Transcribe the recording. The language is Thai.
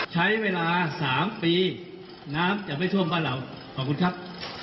ใช้เวลา๓ปีน้ำจะไม่ช่วงพ่อเหล่าขอบคุณครับ